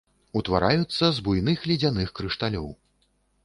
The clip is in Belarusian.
Утвараюцца з буйных ледзяных крышталёў.